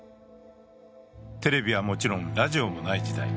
テレビはもちろんラジオもない時代。